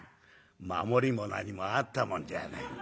守りも何もあったもんじゃない。